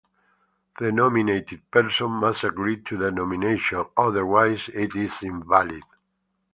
The nominated person must agree to the nomination, otherwise it is invalid.